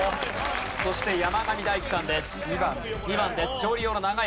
そして山上大喜さんです。